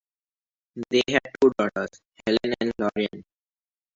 They had two daughters, Helen and Lorraine.